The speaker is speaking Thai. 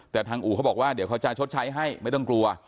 แต่ทางอู่เขาบอกว่าเดี๋ยวเขาจะชดใช้ให้ไม่ต้องกลัว